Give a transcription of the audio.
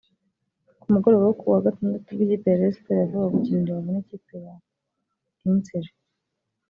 Ku mugoroba wo kuwa Gatandatu ubwo ikipe ya Rayon Sports yavaga gukina i Rubavu n’ikipe ya Etincelles